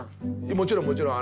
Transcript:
もちろんもちろん。